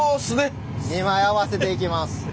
２枚合わせていきます。